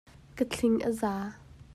Ka thling a za.